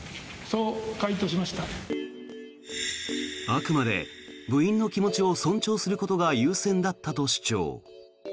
あくまで部員の気持ちを尊重することが優先だったと主張。